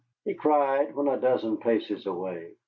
he cried, when a dozen paces away.